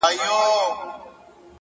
هوډ د ستونزو وزن کموي،